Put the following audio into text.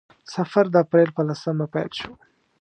سفر د اپریل په لسمه پیل شو.